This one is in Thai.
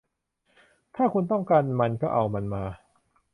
ถ้าคุณต้องการมันก็เอามันมา